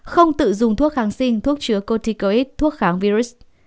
không tự dùng thuốc kháng sinh thuốc chứa cotticoid thuốc kháng virus